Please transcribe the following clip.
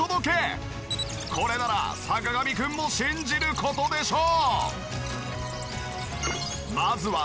これなら坂上くんも信じる事でしょう。